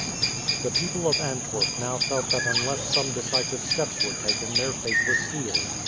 The people of Antwerp now felt that unless some decisive steps were taken their fate was sealed.